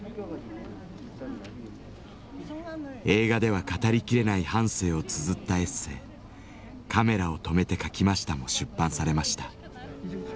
映画では語りきれない半生をつづったエッセー「カメラを止めて書きました」も出版されました。